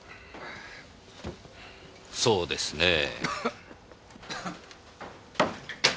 そうですねえ。